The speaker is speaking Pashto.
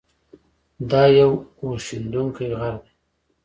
دا یو اورښیندونکی غر دی.